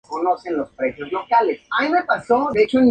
Está enterrado al cementerio de Passy de París.